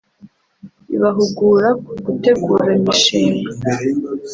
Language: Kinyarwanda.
ibahugura ku gutegura imishinga